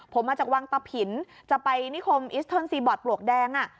ผมมาจากวังตะผินจะไปนิคมอิสเทิร์นซีบอร์ดปลวกแดง